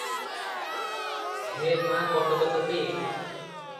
“ହେ ମା’ କଟକଚଣ୍ଡୀ!